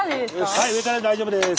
はい上からで大丈夫です。